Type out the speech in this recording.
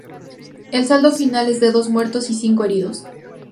El saldo final es de dos muertos y cinco heridos.